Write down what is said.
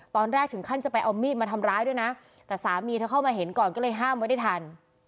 ตอนแรกถึงขั้นจะไปเอามีดมาทำร้ายด้วยนะแต่สามีเธอเข้ามาเห็นก่อนก็เลยห้ามไว้ได้ทัน